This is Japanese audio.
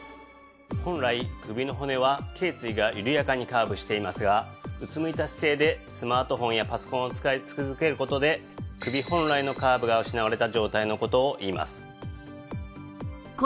本来首の骨は頸椎が緩やかにカーブしていますがうつむいた姿勢でスマートフォンやパソコンを使い続ける事で首本来のカーブが失われた状態の事をいいます。